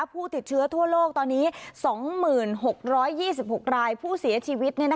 ผู้ติดเชื้อทั่วโลกตอนนี้๒๖๒๖รายผู้เสียชีวิต